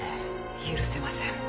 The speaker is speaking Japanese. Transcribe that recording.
許せません。